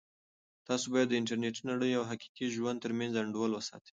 تاسو باید د انټرنیټي نړۍ او حقیقي ژوند ترمنځ انډول وساتئ.